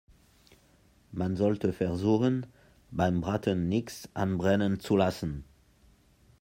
Man sollte versuchen, beim Braten nichts anbrennen zu lassen.